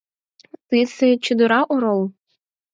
Тысе чодыра орол!